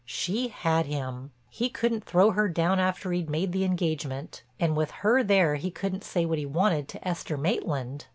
She had him; he couldn't throw her down after he'd made the engagement, and with her there he couldn't say what he wanted to Esther Maitland.